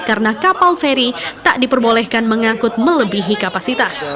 karena kapal feri tak diperbolehkan mengangkut melebihi kapasitas